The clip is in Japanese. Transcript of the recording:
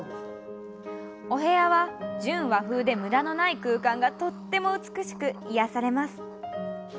お部屋は純和風で無駄のない空間がとっても美しく癒やされます。